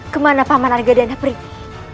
kemana paman anggadana peribu